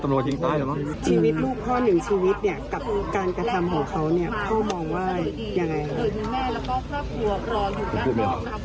พ่อมองว่าอย่างไงครับ